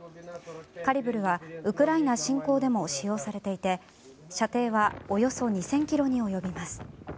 カリブルはウクライナ侵攻でも使用されていて射程はおよそ２０００ｋｍに及びます。